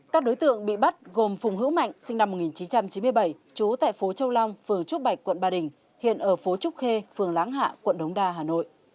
các đối tượng bị bắt gồm phùng hữu mạnh sinh năm một nghìn chín trăm chín mươi bảy trú tại phố châu long phường trúc bạch quận ba đình hiện ở phố trúc khê phường láng hạ quận đống đa hà nội